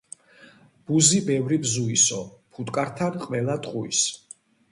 ბუზი ბევრი ბზუისო ფუტკართან ყველა ტყუის